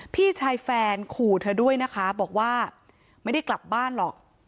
พี่ชายแฟนขู่เธอด้วยนะคะบอกว่าไม่ได้กลับบ้านหรอก